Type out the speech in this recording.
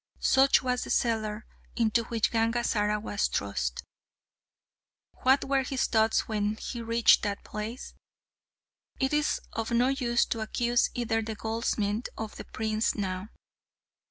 Such was the cellar into which Gangazara was thrust. What were his thoughts when he reached that place? "It is of no use to accuse either the goldsmith or the prince now.